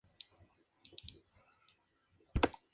Ha desafiado a muchos de los miembros del partido Republicano.